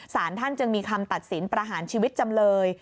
สารท่านจึงมีคำตัดสินประหารชีวิตจำเลย